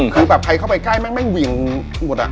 คือแบบใครเข้าไปใกล้แม่งแม่งเหวี่ยงหมด